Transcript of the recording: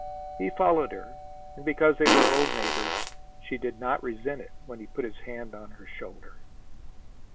He followed her, and, because they were old neighbors, she did not resent it when he put his hand on her shoulder.